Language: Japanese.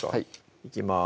いきます